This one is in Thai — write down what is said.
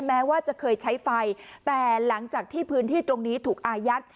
แม้ว่าจะเคยใช้ไฟแต่หลังจากที่พื้นที่ตรงนี้ถูกอายัด